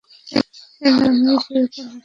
এই নামেই সে উপন্যাস লিখত।